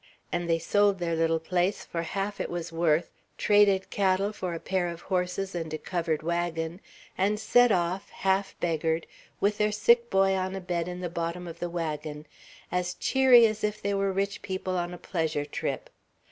And they sold their little place for half it was worth, traded cattle for a pair of horses and a covered wagon, and set off, half beggared, with their sick boy on a bed in the bottom of the wagon, as cheery as if they were rich people on a pleasure trip.